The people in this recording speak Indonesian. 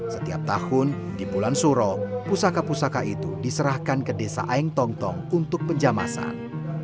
setiap tahun di bulan suro pusaka pusaka itu diserahkan ke desa aeng tong tong untuk penjamasan